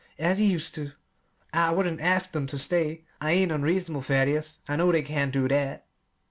as he used to. I wouldn't ask 'em ter stay I ain't unreasonable, Thaddeus. I know they can't do that."